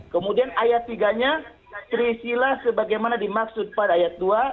kemudian ayat tiga nya trisila sebagaimana dimaksud pada ayat dua